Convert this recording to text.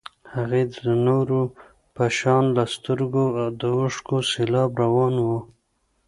هغې د نورو په شان له سترګو د اوښکو سېلاب روان و.